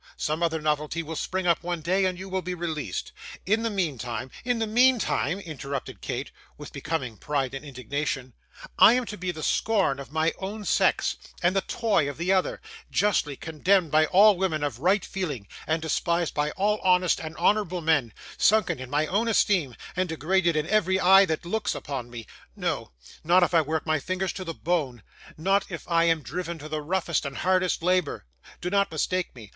Some other novelty will spring up one day, and you will be released. In the mean time ' 'In the mean time,' interrupted Kate, with becoming pride and indignation, 'I am to be the scorn of my own sex, and the toy of the other; justly condemned by all women of right feeling, and despised by all honest and honourable men; sunken in my own esteem, and degraded in every eye that looks upon me. No, not if I work my fingers to the bone, not if I am driven to the roughest and hardest labour. Do not mistake me.